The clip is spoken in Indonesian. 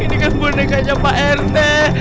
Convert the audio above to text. ini kan bonekanya pak rt